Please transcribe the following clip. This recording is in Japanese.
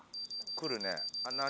来るね何？